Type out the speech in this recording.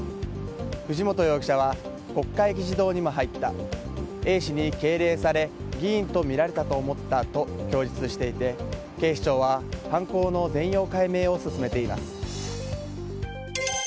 藤本容疑者は国会議事堂にも入った衛視に敬礼され議員とみられたと思ったと供述していて警視庁は犯行の全容解明を進めています。